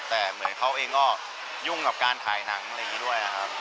แต่เหมือนเขาเองก็ยุ่งกับการถ่ายหนังอะไรอย่างนี้ด้วยนะครับ